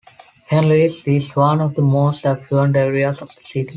Henleaze is one of the most affluent areas of the city.